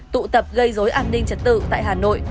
tụ tập gây dối an ninh trật tự tại hà nội